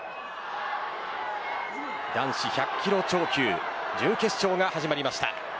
男子１００キロ超級準決勝が始まりました。